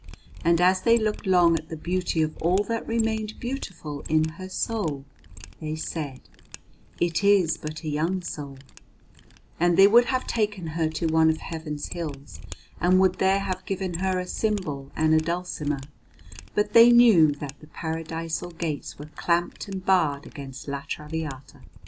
And as they looked long at the beauty of all that remained beautiful in her soul they said: 'It is but a young soul;' and they would have taken her to one of Heaven's hills, and would there have given her a cymbal and a dulcimer, but they knew that the Paradisal gates were clamped and barred against La Traviata.